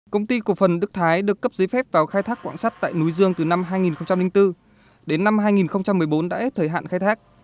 công ty cổ phần đức thái được cấp giấy phép vào khai thác quảng sắt tại núi dương từ năm hai nghìn bốn đến năm hai nghìn một mươi bốn đã hết thời hạn khai thác